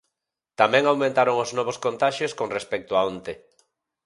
Tamén aumentaron os novos contaxios con respecto a onte.